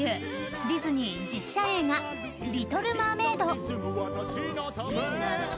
ディズニー実写映画「リトル・マーメイド」